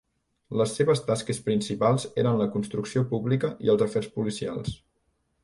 Les seves tasques principals eren la construcció pública i els afers policials.